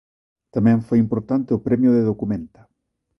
Tamén foi importante o premio de Documenta.